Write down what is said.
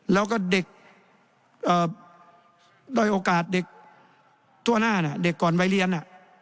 แล้วก็เด็กด้อยโอกาสเด็กทั่วหน้าเด็กก่อนวัยเรียน